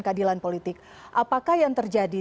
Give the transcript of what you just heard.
keadilan politik apakah yang terjadi